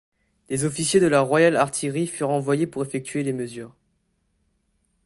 Des officiers de la Royal Artillery furent envoyés pour effecteur les mesures.